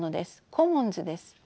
コモンズです。